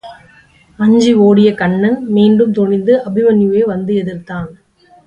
அஞ்சி ஒடிய கன்னன் மீண்டும் துணிந்து அபிமன்யுவை வந்து எதிர்த்தான்.